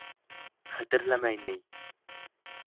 — Хәтерләмәй ни!